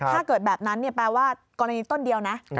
ถ้าเกิดแบบนั้นแปลว่ากรณีต้นเดียวนะ